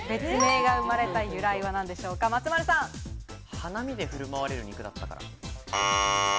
花見で振る舞われる肉だったから。